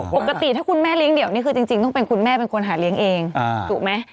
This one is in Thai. ปกติถ้าคุณแม่เลี้ยเดี่ยวนี่คือจริงต้องเป็นคุณแม่เป็นคนหาเลี้ยงเองถูกไหม